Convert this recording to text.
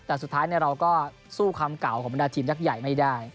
แต่สุดท้ายเราก็สู้ความเก่าของบรรดาทีมยักษ์ใหญ่ไม่ได้